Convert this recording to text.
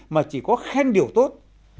mà chỉ có khen điều tốt